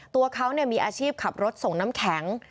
ตัวเขามีอาชีพขับรถส่งน้ำแข็ง